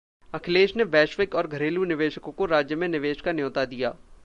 अखिलेश ने वैश्विक और घरेलू निवेशकों को राज्य में निवेश का न्योता दिया